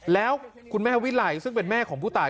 แล้วคุณแม่วิไลซึ่งเป็นแม่ของผู้ตาย